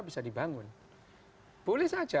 bisa dibangun boleh saja